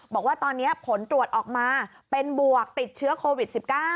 บอกว่าตอนนี้ผลตรวจออกมาเป็นบวกติดเชื้อโควิด๑๙